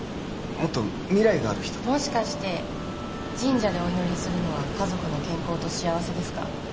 もっと未来がある人ともしかして神社でお祈りするのは家族の健康と幸せですか？